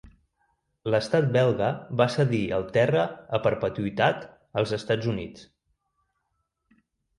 L'estat belga va cedir el terra a perpetuïtat als Estats Units.